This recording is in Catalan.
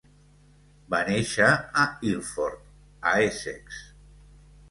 Va néixer a Ilford, a Essex.